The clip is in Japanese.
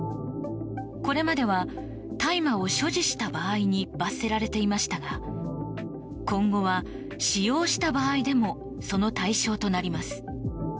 これまでは大麻を所持した場合に罰せられていましたが今後は使用した場合でもその対象となります。